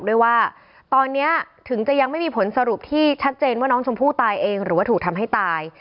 ด้วยว่าตอนนี้ถึงจะยังไม่มีผลสรุปที่ชัดเจนว่าน้องชมพู่ตายเองหรือว่าถูกทำให้ตาย